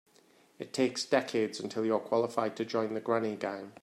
It takes decades until you're qualified to join the granny gang.